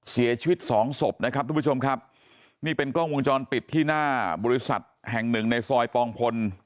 เสียชีวิตสองศพนะครับทุกผู้ชมครับนี่เป็นกล้องวงจรปิดที่หน้าบริษัทแห่งหนึ่งในซอยปองพล